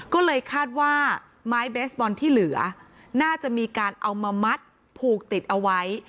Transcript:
ก็เลยคาดว่าไม้เบสบอลที่เหลือน่าจะมีการเอามามัดผูกติดเอาไว้